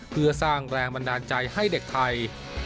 เพื่อสร้างแรงบันดาลใจให้เด็กไทย